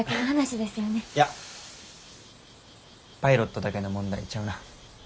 いやパイロットだけの問題ちゃうな。